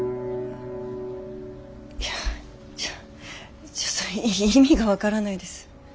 いやちょっと意味が分からないです。